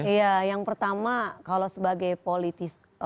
iya yang pertama kalau sebagai politis